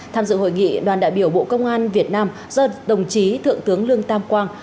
tham dự hội nghị đoàn đại biểu bộ công an việt nam do đồng chí thượng tướng lương tam quang